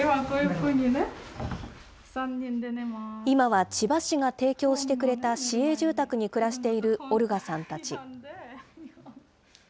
今は千葉市が提供してくれた市営住宅に暮らしているオルガさんたち。